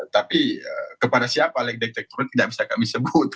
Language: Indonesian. tapi kepada siapa like detekturnya tidak bisa kami sebut